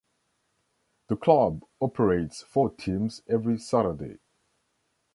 The club operates four teams every Saturday.